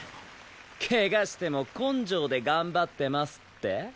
怪我しても根性で頑張ってますって？